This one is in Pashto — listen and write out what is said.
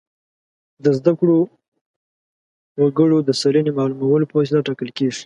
د زده کړو وګړو د سلنې معلومولو په وسیله ټاکل کیږي.